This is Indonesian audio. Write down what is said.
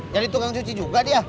jadi tukang cuci juga dia